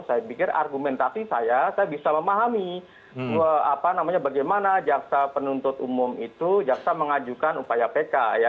saya pikir argumentasi saya saya bisa memahami bagaimana jaksa penuntut umum itu jaksa mengajukan upaya pk ya